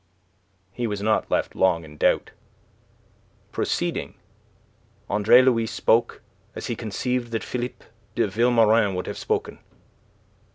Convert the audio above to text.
He was not left long in doubt. Proceeding, Andre Louis spoke as he conceived that Philippe de Vilmorin would have spoken.